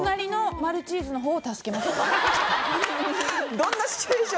どんなシチュエーション？